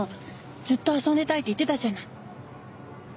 ずっと遊んでたいって言ってたじゃない。